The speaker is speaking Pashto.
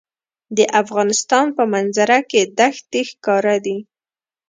د افغانستان په منظره کې دښتې ښکاره دي.